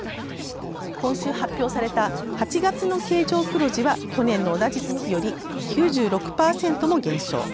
今週発表された８月の経常黒字は去年の同じ月より９６％も減少。